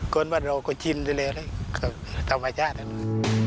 ก่อนมาเราก็ชินเลยเลยธรรมชาติ